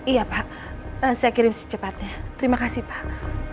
iya pak saya kirim secepatnya terima kasih pak